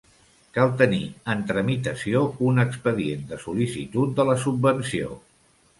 Cal tenir en tramitació un expedient de sol·licitud de la subvenció.